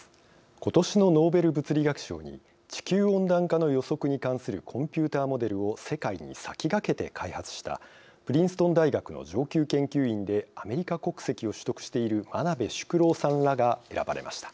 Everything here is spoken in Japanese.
ことしのノーベル物理学賞に地球温暖化の予測に関するコンピューターモデルを世界に先駆けて開発したプリンストン大学の上級研究員でアメリカ国籍を取得している真鍋淑郎さんらが選ばれました。